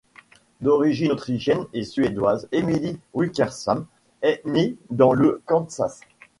D'origines autrichienne et suédoise, Emily Wickersham est née dans le Kansas.